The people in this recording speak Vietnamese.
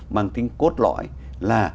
bằng tính cốt lõi là